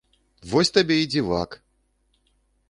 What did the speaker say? Вось табе і дзівак!